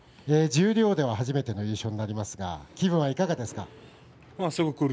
十両では初めて連勝がありますが気分はどうですか？